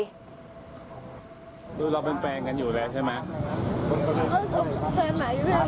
คือเราเป็นแฟนกันอยู่แล้วใช่ไหม